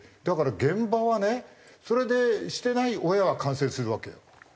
だから現場はねそれでしてない親は感染するわけよ。